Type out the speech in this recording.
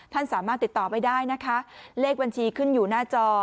ท่านสามารถติดต่อไปได้นะคะเลขบัญชีขึ้นอยู่หน้าจอ